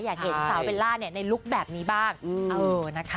อยากเห็นสาวเบลล่าในลุคแบบนี้บ้าง